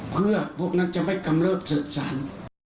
เพื่อพวกนั้นจะไม่กำเริบเสิร์ฟสรรค์